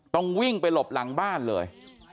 ต้องวิ่งไปหลบหลังบ้านเลย